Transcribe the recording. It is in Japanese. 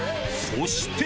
そして。